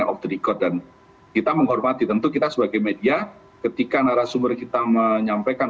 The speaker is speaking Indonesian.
of the record dan kita menghormati tentu kita sebagai media ketika narasumber kita menyampaikan